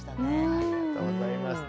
ありがとうございます。